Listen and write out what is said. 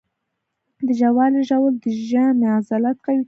د ژاولې ژوول د ژامې عضلات قوي کوي.